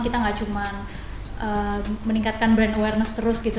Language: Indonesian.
kita nggak cuma meningkatkan brand awareness terus gitu